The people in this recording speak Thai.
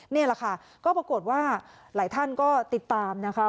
นี่แหละค่ะก็ปรากฏว่าหลายท่านก็ติดตามนะคะ